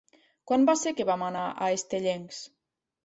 Quan va ser que vam anar a Estellencs?